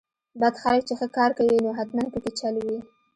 بد خلک چې ښه کار کوي نو حتماً پکې چل وي.